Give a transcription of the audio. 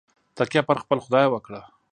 تکیه پر خپل خدای وکړه.